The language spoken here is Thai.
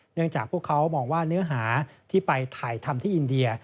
จากพวกเขามองว่าเนื้อหาที่ไปถ่ายทำที่อินเดีย